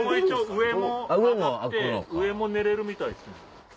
上も寝れるみたいですね。